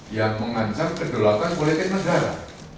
yang mengancam kedaulatan politik negara